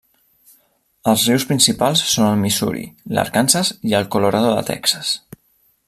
Els rius principals són el Missouri, l'Arkansas i el Colorado de Texas.